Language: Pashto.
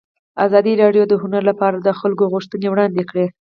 ازادي راډیو د هنر لپاره د خلکو غوښتنې وړاندې کړي.